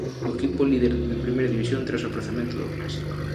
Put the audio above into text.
O equipo líder en Primeira División tras o aprazamento do clásico.